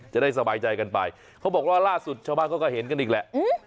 จะได้สบายใจกันไปเขาบอกว่าล่าสุดชาวบ้านเขาก็เห็นกันอีกแหละ